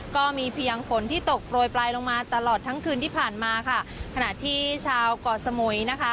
ก็มีเพียงฝนที่ตกโปรยปลายลงมาตลอดทั้งคืนที่ผ่านมาค่ะขณะที่ชาวเกาะสมุยนะคะ